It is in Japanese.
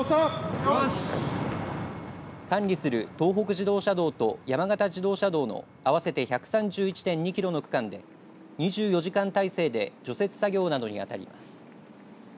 管理する東北自動車道と山形自動車道の合わせて１３１．２キロの区間で２４時間体制で除雪作業などにあたります。